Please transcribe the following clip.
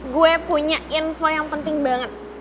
gue punya info yang penting banget